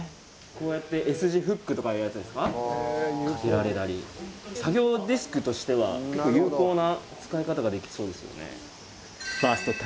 こうやってＳ字フックとかいうやつですか掛けられたり作業デスクとしては結構有効な使い方ができそうですよね。